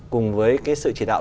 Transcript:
cùng với sự chỉ đạo